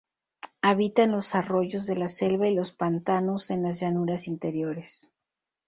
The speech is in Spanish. Habita en los arroyos de la selva y los pantanos en las llanuras interiores.